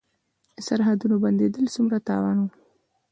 د سرحدونو بندیدل څومره تاوان و؟